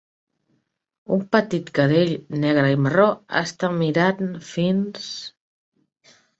Un petit cadell negre i marró està mirant fins